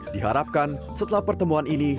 diharapkan setelah pertemuan ini